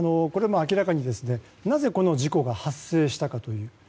明らかに、なぜこの事故が発生したかという。